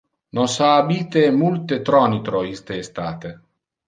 Nos ha habite multe tonitro iste estate.